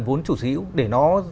vốn chủ sở hữu để nó